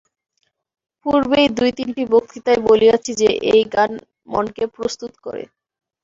পূর্বের দুই-তিনটি বক্তৃতায় বলিয়াছি যে, এই জ্ঞান মনকে প্রস্তুত করে।